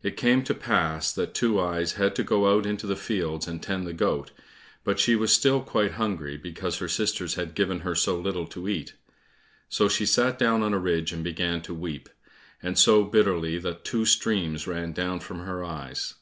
It came to pass that Two eyes had to go out into the fields and tend the goat, but she was still quite hungry, because her sisters had given her so little to eat. So she sat down on a ridge and began to weep, and so bitterly that two streams ran down from her eyes.